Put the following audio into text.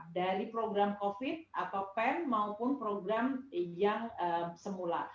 dari program covid atau pen maupun program yang semula